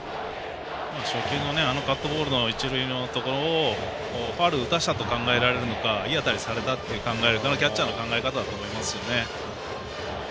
初球のカットボールの一塁のところをファウル打たせたと考えられるのかいい当たりされたって考えるのかは、キャッチャーの考え方だと思いますよね。